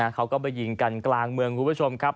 เขาก็ไปยิงกันกลางเมืองคุณผู้ชมครับ